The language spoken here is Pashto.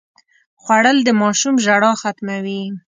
خوړل د ماشوم ژړا ختموي